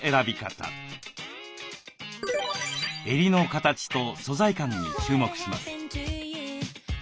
襟の形と素材感に注目します。